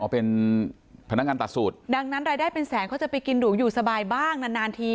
เป็นพนักงานตัดสูตรดังนั้นรายได้เป็นแสนเขาจะไปกินหรูอยู่สบายบ้างนานนานที